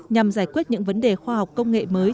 nhằm giải quyết những vấn đề khoa học công nghệ mới